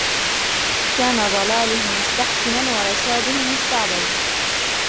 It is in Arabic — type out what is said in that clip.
كَانَ ضَلَالُهُ مُسْتَحْكِمًا وَرَشَادُهُ مُسْتَعْبَدَا